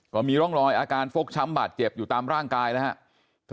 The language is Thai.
ก็มีร่องรอยอาการฟกช้ำบาดเจ็บอยู่ตามร่างกายนะครับ